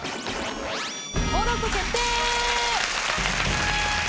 登録決定！